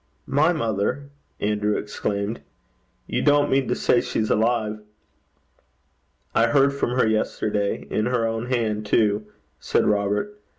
'My mother!' Andrew exclaimed. 'You don't mean to say she's alive?' 'I heard from her yesterday in her own hand, too,' said Robert.